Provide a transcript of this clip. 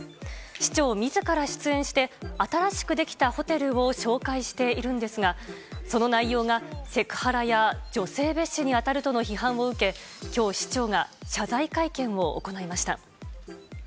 市長みずから出演して、新しく出来たホテルを紹介しているんですが、その内容がセクハラや、女性蔑視に当たるとの批判を受け、きょう、市長が謝罪会見を行いました。